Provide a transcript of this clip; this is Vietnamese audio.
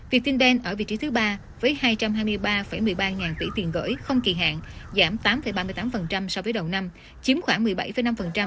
vietindan ở vị trí thứ ba với hai trăm hai mươi ba một mươi ba ngàn tỷ tiền gửi không kỳ hạn giảm tám ba mươi tám so với đầu năm chiếm khoảng một mươi bảy năm